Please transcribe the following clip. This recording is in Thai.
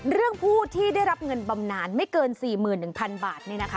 ผู้ที่ได้รับเงินบำนานไม่เกิน๔๑๐๐๐บาท